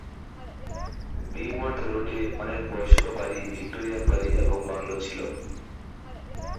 Beaumont রোডে অনেক বয়স্ক বাড়ি, ভিক্টোরিয়ান বাড়ি এবং বাংলো ছিল।